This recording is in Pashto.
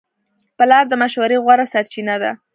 پلار د مشورې غوره سرچینه ده.